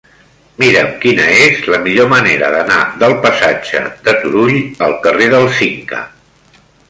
Mira'm quina és la millor manera d'anar del passatge de Turull al carrer del Cinca.